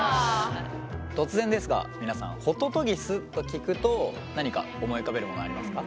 突然ですが皆さん「ホトトギス」と聞くと何か思い浮かべるものありますか？